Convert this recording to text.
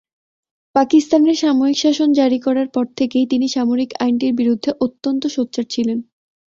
পাকিস্তানের সামরিক শাসন জারি করার পর থেকেই তিনি সামরিক আইনটির বিরুদ্ধে অত্যন্ত সোচ্চার ছিলেন।